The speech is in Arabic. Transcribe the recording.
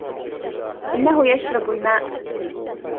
إنه يشرب الماء.